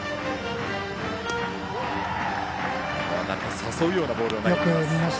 誘うようなボールを投げています。